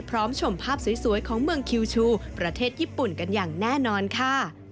ชมภาพสวยของเมืองคิวชูประเทศญี่ปุ่นกันอย่างแน่นอนค่ะ